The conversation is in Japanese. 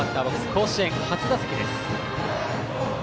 甲子園初打席です。